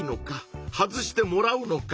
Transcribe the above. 外してもらうのか？